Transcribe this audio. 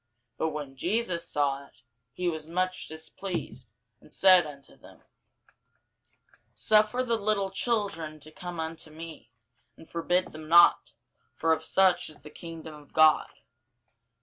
But when Jesus saw it, he was much displeased, and said unto them, Suffer the little children to come unto me, and forbid them not: for of such is the kingdom of God.